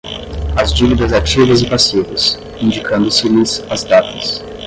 as dívidas ativas e passivas, indicando-se-lhes as datas